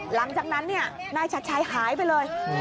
หลังจากนั้นนายชัดชัยหายไปเลย